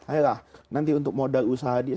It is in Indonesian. ayolah nanti untuk modal usaha dia